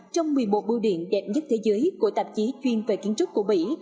trong một mươi một bưu điện đẹp nhất thế giới của tạp chí chuyên về kiến trúc của mỹ